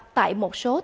tại một số tỉnh